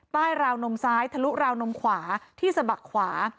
ราวนมซ้ายทะลุราวนมขวาที่สะบักขวา